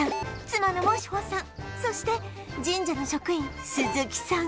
妻の茂志穂さんそして神社の職員鈴木さんが見守る